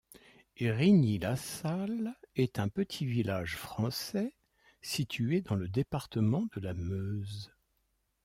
Rigny-la-Salle est un petit village français situé dans le département de la Meuse.